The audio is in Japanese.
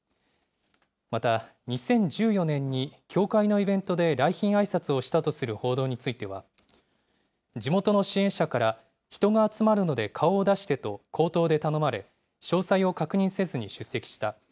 また、２０１４年に教会のイベントで来賓あいさつをしたとする報道については、地元の支援者から人が集まるので顔を出してと口頭で頼まれ、詳細を確認せずに出席した。